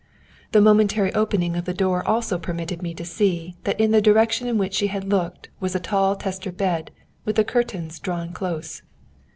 The momentary opening of the door also permitted me to see that in the direction in which she had looked was a tall tester bed with the curtains drawn close.